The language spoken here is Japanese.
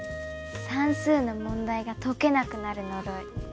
算数の問題が解けなくなる呪い。